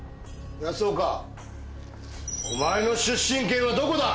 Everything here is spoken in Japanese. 安岡お前の出身県はどこだ？